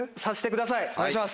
お願いします。